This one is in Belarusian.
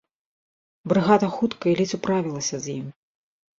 Брыгада хуткай ледзь управілася з ім.